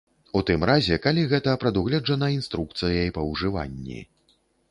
У тым разе, калі гэта прадугледжана інструкцыяй па ўжыванні.